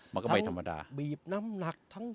มันก็ไม่ธรรมดา